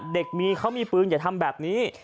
เด็กมีเขามีปืนอย่าทำแบบนี้